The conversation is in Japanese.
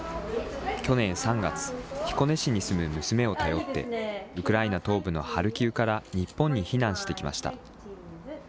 去年３月、彦根市に住む娘を頼って、ウクライナ東部のハルキウから日本に避難してきました。